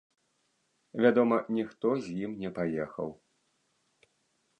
Вядома, ніхто з ім не паехаў.